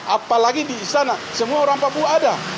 apalagi di istana semua orang papua ada